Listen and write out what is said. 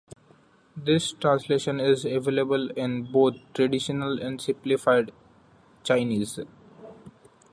This translation is available in both traditional and simplified Chinese.